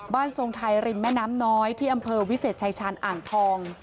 ทรงไทยริมแม่น้ำน้อยที่อำเภอวิเศษชายชาญอ่างทอง